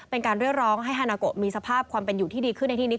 เป็นการเรียกร้องให้ฮานาโกมีสภาพความเป็นอยู่ที่ดีขึ้นในที่นี้